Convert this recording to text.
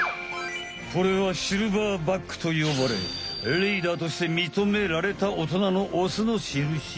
これはシルバーバックとよばれリーダーとしてみとめられたおとなのオスのしるし。